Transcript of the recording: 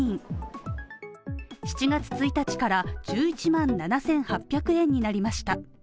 ７月１日から１１万７８００円になりました。